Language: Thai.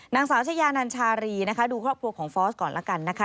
นางสาวชายานันชารีนะคะดูครอบครัวของฟอสก่อนละกันนะคะ